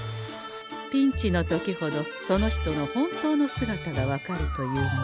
ピンチの時ほどその人の本当の姿が分かるというもの。